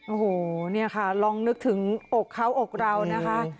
โอ้โหเนี่ยค่ะลองนึกถึงอกเขาอกเรานะคะ